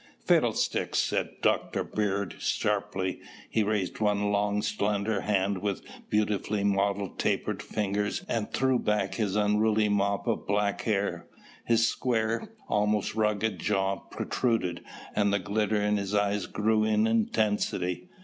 "Fiddlesticks!" said Dr. Bird sharply. He raised one long slender hand with beautifully modeled tapering fingers and threw back his unruly mop of black hair. His square, almost rugged jaw, protruded and the glitter in his eyes grew in intensity.